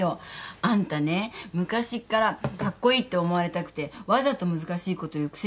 あんたね昔っからカッコイイって思われたくてわざと難しいこと言う癖があるよ。